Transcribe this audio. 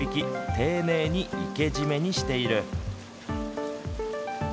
丁寧に生けじめにしている。